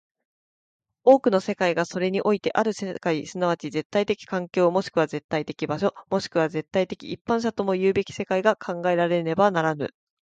多くの世界がそれにおいてある世界即ち絶対的環境、もしくは絶対的場所、もしくは絶対的一般者ともいうべき世界が考えられねばならぬ。